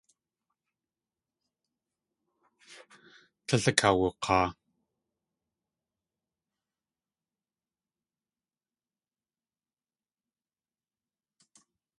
Tlél akawuk̲aa.